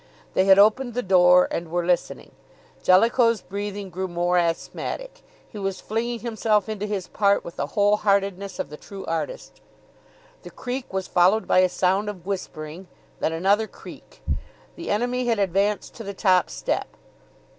They had opened the door and were listening. Jellicoe's breathing grew more asthmatic; he was flinging himself into his part with the whole heartedness of the true artist. The creak was followed by a sound of whispering, then another creak. The enemy had advanced to the top step....